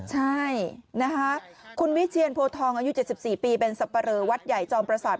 ใช่นะคะคุณวิเชียนโพทองอายุ๗๔ปีเป็นสับปะเรอวัดใหญ่จอมประสาท